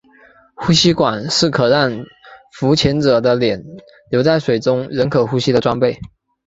呼吸管是可让浮潜者的脸留在水中仍可呼吸的装备。